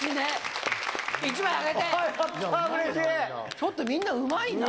ちょっとみんなうまいな。